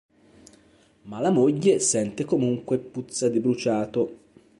Ma la moglie sente comunque puzza di bruciato.